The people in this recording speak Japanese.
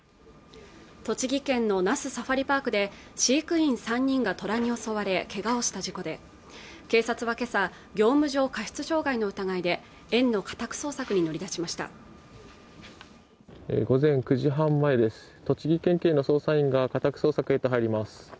栃木県の那須サファリパークで飼育員３人が虎に襲われけがをした事故で警察は今朝業務上過失傷害の疑いで園の家宅捜索に乗り出しました午前９時半前です